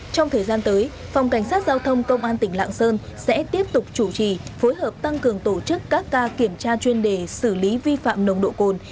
trong thời gian tới phòng cảnh sát giao thông công an tỉnh lạng sơn sẽ tiếp tục chủ trì phối hợp tăng cường tổ chức các ca kiểm tra chuyên đề xử lý vi phạm nồng độ cồn